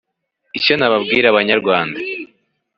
Icyo nabwira abanyarwanda